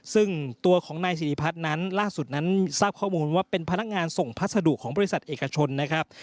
ซึ่งตัวของนายสิริพัฒน์นั้นล่าสุดนั้นทราบข้อมูลว่าเป็นพนักงานส่งพัสดุของบริษัทเอกชนนะครับ